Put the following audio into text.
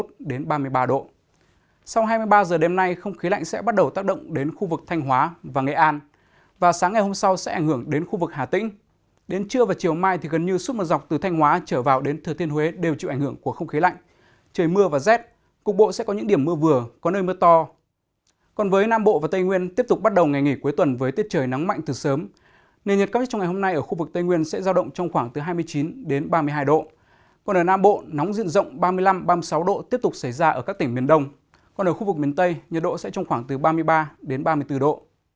trước hai mươi ba giờ chiều nay nó sẽ tác động đến khu vực trung du trước hai mươi ba giờ chiều nay nó sẽ tác động đến khu vực trung du trước hai mươi ba giờ chiều nay nó sẽ tác động đến khu vực trung du trước hai mươi ba giờ chiều nay nó sẽ tác động đến khu vực trung du trước hai mươi ba giờ chiều nay nó sẽ tác động đến khu vực trung du trước hai mươi ba giờ chiều nay nó sẽ tác động đến khu vực trung du trước hai mươi ba giờ chiều nay nó sẽ tác động đến khu vực trung du trước hai mươi ba giờ chiều nay nó sẽ tác động đến khu vực trung du trước hai mươi ba giờ chiều nay nó sẽ tác động đến khu vực trung du trước hai mươi ba giờ chiều nay nó sẽ tác động đến khu vực trung du trước hai mươi ba giờ chiều nay nó sẽ tá